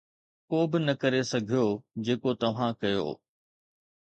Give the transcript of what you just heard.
ڪو به نه ڪري سگهيو جيڪو توهان ڪيو